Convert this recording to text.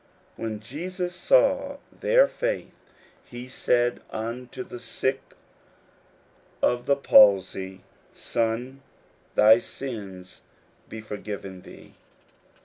41:002:005 When Jesus saw their faith, he said unto the sick of the palsy, Son, thy sins be forgiven thee.